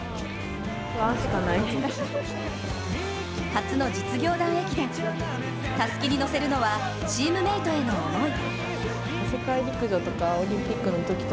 初の実業団駅伝、たすきに乗せるのはチームメートへの思い。